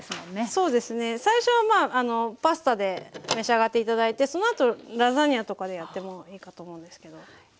そうですね最初はまあパスタで召し上がって頂いてその後ラザニアとかでやってもいいかと思うんですけど。